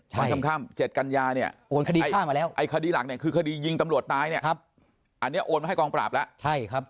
ความค่ำ๗กัญญาเนี่ยไอ้คดีหลักนี้คือคดียิงตำรวจตายเนี่ยอันนี้โอนมาให้กองปราบแล้ว